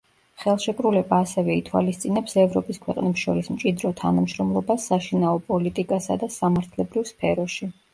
ხელშეკრულება ასევე ითვალისწინებს ევროპის ქვეყნებს შორის მჭიდრო თანამშრომლობას საშინაო პოლიტიკასა და სამართლებრივ სფეროში.